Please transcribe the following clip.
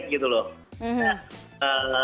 kaget gitu loh